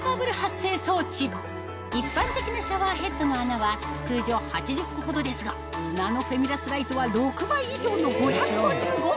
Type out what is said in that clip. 一般的なシャワーヘッドの穴は通常８０個ほどですがナノフェミラスライトは６倍以上の５５５個